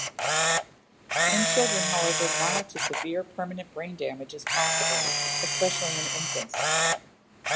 In children, however, mild to severe permanent brain damage is possible, especially in infants.